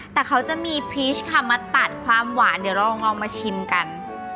แต่เขาจะมีพีชค่ะมาตัดความหวานเดี๋ยวเราลองมาชิมกัน